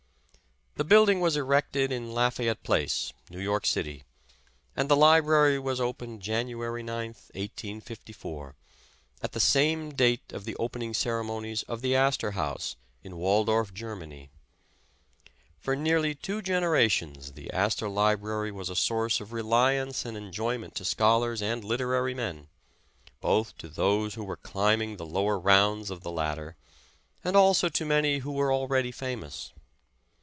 The building was erected in Lafayette Place, New York City, and the Library was opened January 9th 1854, at the same date of the opening ceremonies of the Astorhaus, in Waldorf, Germany. For nearly two 297 The Original John Jacob Astor generations the Astor Library was a source of reliance and enjoyment to scholars and literary men; both to those who were climbing the lower rounds of the lad der, and also to many who were already famous.